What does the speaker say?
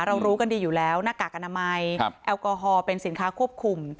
รู้กันดีอยู่แล้วหน้ากากอนามัยแอลกอฮอลเป็นสินค้าควบคุม